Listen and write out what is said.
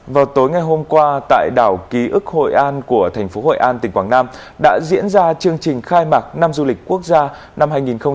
vào tối ngày hôm qua tại đảo ký ức hội an của thành phố hội an tỉnh quảng nam đã diễn ra chương trình khai mạc năm du lịch quốc gia năm hai nghìn hai mươi bốn